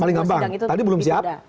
paling gampang tadi belum siap